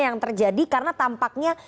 yang terjadi karena tampaknya